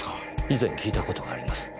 以前聞いた事があります。